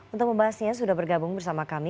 untuk membahasnya sudah bergabung bersama kami